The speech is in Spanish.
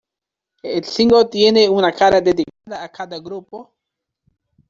El single tenía una cara dedicada a cada grupo.